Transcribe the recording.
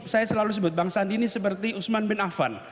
saya selalu sebut bang sandi ini seperti usman bin afan